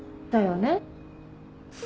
だよね。